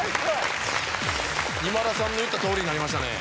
今田さんの言ったとおりになりましたね。